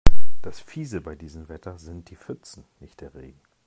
Das Fiese bei diesem Wetter sind die Pfützen, nicht der Regen.